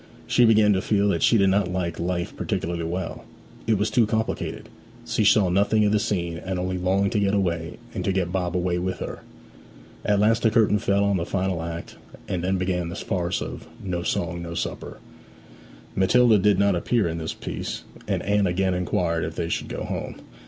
She began to feel that she did not like life particularly well; it was too complicated: she saw nothing of the scene, and only longed to get away, and to get Bob away with her. At last the curtain fell on the final act, and then began the farce of 'No Song no Supper.' Matilda did not appear in this piece, and Anne again inquired if they should go home.